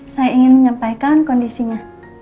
saya ingin menyampaikan kondisinya